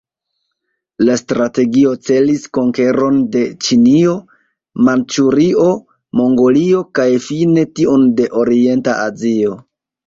La strategio celis konkeron de Ĉinio, Manĉurio, Mongolio kaj fine tiun de orienta Azio.